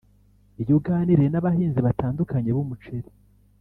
Iyo uganiriye n’abahinzi batandukanye b’umuceli